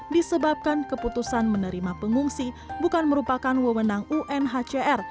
disebabkan keputusan menerima pengungsi bukan merupakan wewenang unhcr